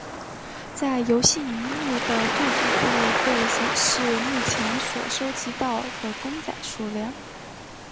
在游戏萤幕的最底部会显示目前所收集到的公仔数量。